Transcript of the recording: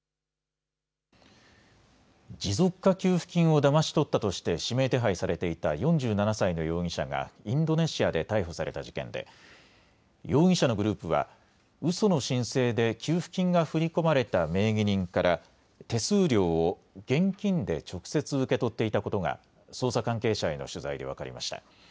持続化給付金をだまし取ったとして指名手配されていた４７歳の容疑者がインドネシアで逮捕された事件で容疑者のグループはうその申請で給付金が振り込まれた名義人から手数料を現金で直接受け取っていたことが捜査関係者への取材で分かりました。